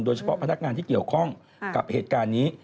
พนักงานที่เกี่ยวข้องกับเหตุการณ์นี้